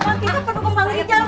mak kita penukung bang rijal mak